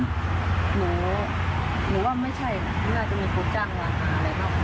หนูว่าไม่ใช่น่าจะมีคนจ้างวานอะไรของเขา